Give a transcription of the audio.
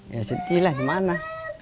ya sedih lah gimana